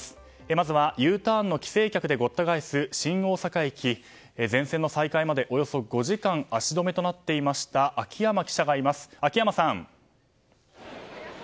まずはＵターンの帰省客でごった返す新大阪駅に全線の再開までおよそ５時間足止めとなっていた秋山記者がいます。